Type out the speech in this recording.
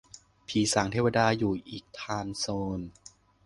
ผีสางเทวดาอยู่อีกไทม์โซน